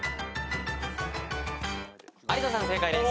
有田さん正解です。